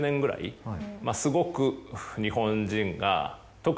すごく。